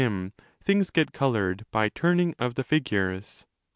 2 316* him, things get coloured by 'turning' of the' figures'.)